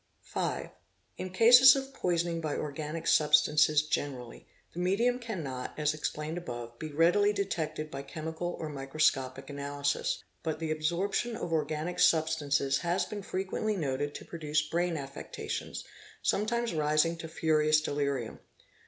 5. In cases of poisoning by organic substances generally, the medium cannot, as explained above, be readily detected by chemical or micros copical analysis" ; but the absorption of organic substances has been frequently noted to produce brain affections, sometimes rising to furi ous delirium.